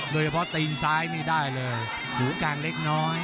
ตีนซ้ายนี่ได้เลยหูกลางเล็กน้อย